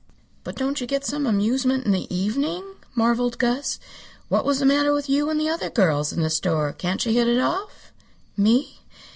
"But don't you get some amusement in the evening?" marveled Gus. "What was the matter with you and the other girls in the store? Can't you hit it off?" "Me?